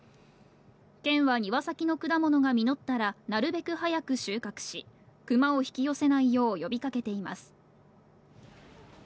県は庭先の果物が実ったら、なるべく早く収穫し、クマを引き寄せないよう呼びかけています。